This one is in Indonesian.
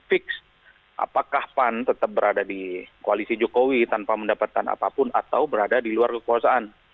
fix apakah pan tetap berada di koalisi jokowi tanpa mendapatkan apapun atau berada di luar kekuasaan